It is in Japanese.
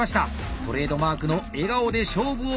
トレードマークの笑顔で勝負をかけるか。